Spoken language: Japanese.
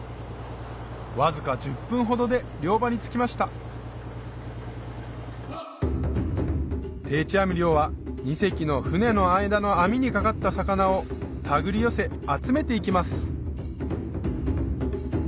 わずか１０分ほどで漁場に着きました定置網漁は２隻の船の間の網に掛かった魚を手繰り寄せ集めていきます